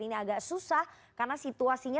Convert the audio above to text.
ini agak susah karena situasinya